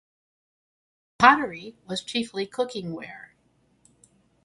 Pottery was chiefly cooking ware.